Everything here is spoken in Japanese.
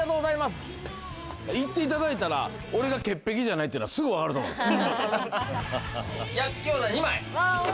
行っていただいたら俺が潔癖じゃないっていうのはすぐわかると思います。